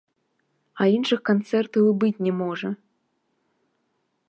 А іншых канцэртаў і быць не можа!